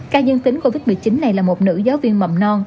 ca dương tính covid một mươi chín này là một nữ giáo viên mầm non